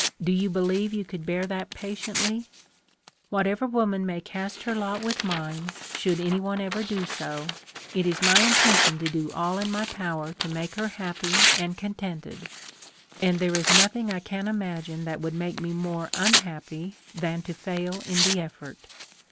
Do you believe you could bear that patiently ? Whatever woman may cast her lot with mine, should anyone ever do so, it is my intention to do all in my power to make her happy and contented, and there is nothing I can imagine that would make me more unhappy than to fail in the effort.